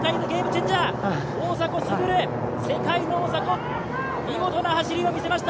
大迫傑、世界の大迫、見事な走りを見せました。